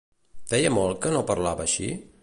Feia molt que no parlava així?